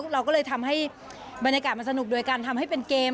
เราก็เลยทำให้บรรยากาศมันสนุกโดยการทำให้เป็นเกม